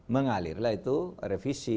mengalirlah itu revisi